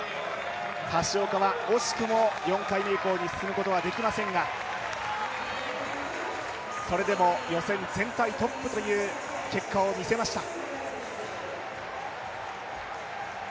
橋岡は惜しくも４回目以降に進むことはできませんがそれでも予選全体トップという結果を見せました。